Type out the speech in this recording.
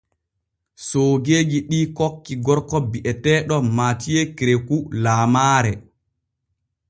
Soogeeji ɗi kokki gorko bi’eteeɗo MATHIEU KEREKOU laamaare.